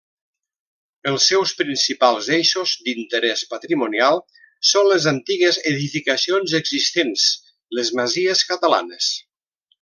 Els seus principals eixos d’interès patrimonial són les antigues edificacions existents: les masies catalanes.